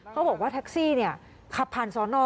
เขาบอกว่าแท็กซี่ขับผ่านสอนอ